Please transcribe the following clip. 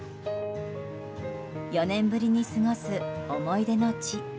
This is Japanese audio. ４年ぶりに過ごす、思い出の地。